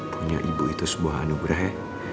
punya ibu itu semua anugerah ya